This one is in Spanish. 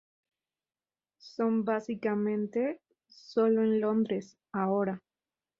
Son básicamente sólo en Londres ahora.